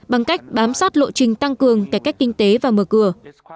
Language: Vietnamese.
bằng cách bám sát lộ trình tăng cường cải cách kinh tế và mở cửa